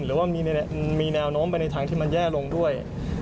หรือว่ามีแนวโน้มไปในทางที่มันแย่ลงด้วย